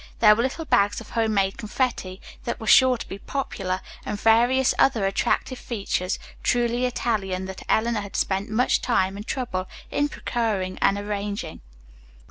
There were little bags of home made confetti that were sure to be popular and various other attractive features truly Italian that Eleanor had spent much time and trouble in procuring and arranging.